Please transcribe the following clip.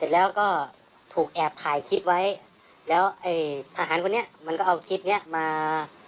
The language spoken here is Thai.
แล้วก็ถูกแอบถ่ายคลิปไว้แล้วไอ้ทหารคนนี้มันก็เอาคลิปเนี้ยมา